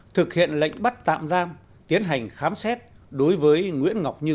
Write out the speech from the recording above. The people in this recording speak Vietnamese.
thực hiện lệnh bắt tạm giam tiến hành khám xét đối với nguyễn ngọc như